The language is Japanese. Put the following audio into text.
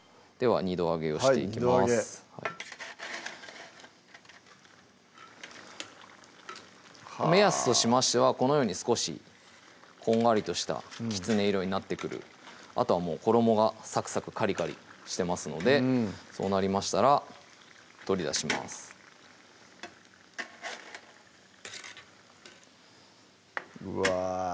はい二度揚げ目安としましてはこのように少しこんがりとしたきつね色になってくるあとはもう衣がサクサクカリカリしてますのでそうなりましたら取り出しますうわ